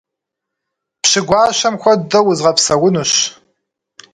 Пщы гуащэм хуэдэу узгъэпсэунущ.